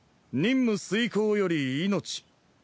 任務遂行より命。